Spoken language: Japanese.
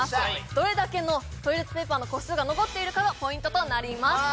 どれだけのトイレットペーパーの個数が残っているかがポイントとなります